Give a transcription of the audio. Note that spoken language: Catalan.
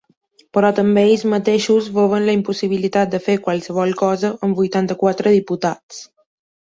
Però també ells mateixos veuen la impossibilitat de fer qualsevol cosa amb vuitanta-quatre diputats.